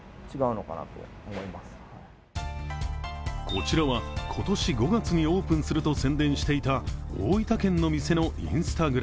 こちらは、今年５月にオープンすると宣伝していた大分県の店のＩｎｓｔａｇｒａｍ。